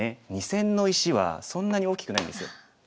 ２線の石はそんなに大きくないんですよ。